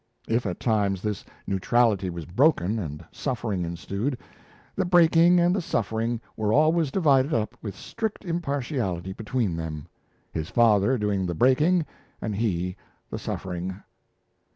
If at times this neutrality was broken and suffering ensued, the breaking and the suffering were always divided up with strict impartiality between them his father doing the breaking and he the suffering!